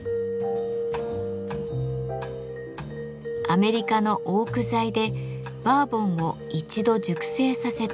アメリカのオーク材でバーボンを一度熟成させた樽。